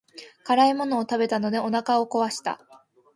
辛いものを食べたのでお腹を壊した。